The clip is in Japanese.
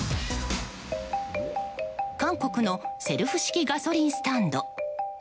韓国のセルフ式ガソリンスタンド。